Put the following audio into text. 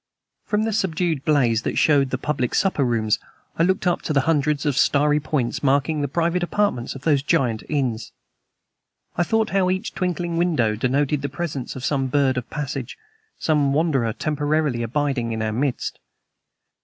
From the subdued blaze that showed the public supper rooms I looked up to the hundreds of starry points marking the private apartments of those giant inns. I thought how each twinkling window denoted the presence of some bird of passage, some wanderer temporarily abiding in our midst.